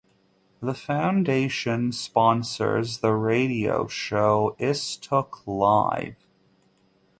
The foundation sponsors the radio show Istook Live!